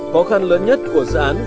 khó khăn lớn nhất của dự án